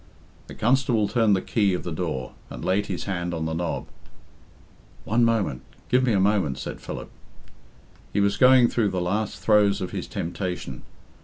The constable turned the key of the door, and laid his hand on the knob. "One moment give me a moment," said Philip. He was going through the last throes of his temptation.